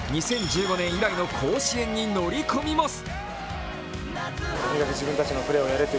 ２０１５年以来の甲子園に乗り込みます。